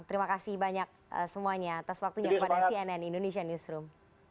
terima kasih banyak semuanya atas waktunya kepada cnn indonesia newsroom